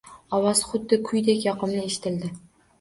Ovoz xuddi kuydek yoqimli eshitildi